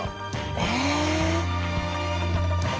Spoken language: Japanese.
え。